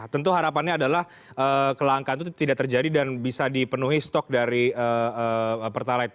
tentu harapannya adalah kelangkaan itu tidak terjadi dan bisa dipenuhi stok dari pertalite